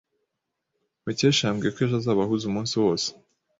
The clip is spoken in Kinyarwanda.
Mukesha yambwiye ko ejo azaba ahuze umunsi wose.